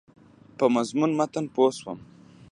په مضمون متن پوه شوم.